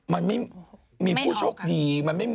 มันไม่มีผู้ชกดีมันไม่ออก